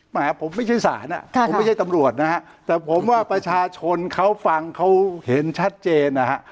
หมายผมไม่ใช่ศาลผมไม่ใช่ตำรวจนะฮะแต่ผมว่าประชาชนเขาฟังเขาเห็นชัดเจนนะฮะ